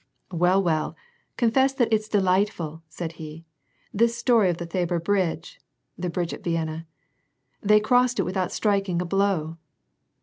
"Well, well, confess that it's delightful," said he, "this story of the Thabor bridge [the bridge at Vienna], They crossed it without striking a blow."